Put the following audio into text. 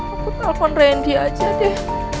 aku telpon randy aja deh